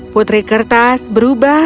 putri kertas berubah